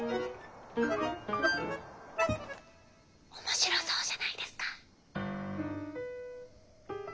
おもしろそうじゃないですか？